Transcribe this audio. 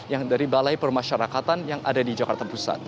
yang dari balai permasyarakatan yang ada di jakarta pusat